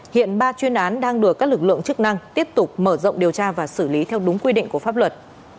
hiện ba chuyên án đang được các lực lượng chức năng tiếp tục mở rộng điều tra và xử lý theo đúng quy định của pháp luật